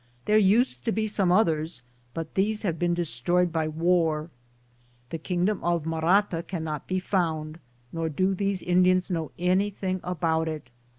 1 There used to be some others, but these have been destroyed by war. The kingdom of Marata can not be found, nor do these Indians know anything about it.